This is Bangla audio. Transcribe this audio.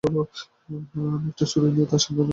আমি একটা ছুরি নিয়ে তার সামনে দৌড়ে গেলাম।